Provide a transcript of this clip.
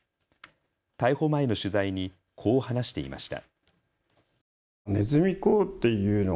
逮捕前の取材にこう話していました。